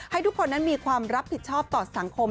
ให้ทุกคนนั้นมีความรับผิดชอบต่อสังคม